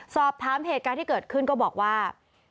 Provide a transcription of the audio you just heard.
สอบถามเหตุการณ์ที่เกิดขึ้นก็บอกว่า